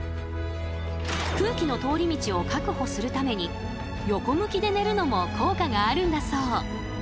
空気の通り道を確保するために横向きで寝るのも効果があるんだそう。